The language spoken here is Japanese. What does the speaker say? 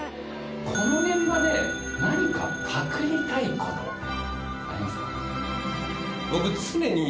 この現場で何かパクリたいことありますか？